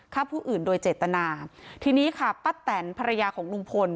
ฆ่าผู้อื่นโดยเจตนาทีนี้ค่ะป้าแตนภรรยาของลุงพล